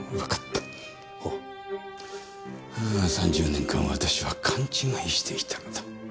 ３０年間私は勘違いしていたのだ。